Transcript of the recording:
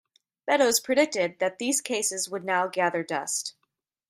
Beddoes predicted that these cases would now gather dust.